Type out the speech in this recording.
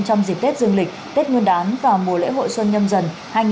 trong dịp tết dương lịch tết nguyên đán và mùa lễ hội xuân nhâm dần hai nghìn hai mươi